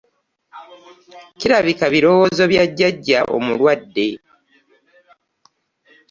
Kirabika birowoozo bya jjajja omulwadde.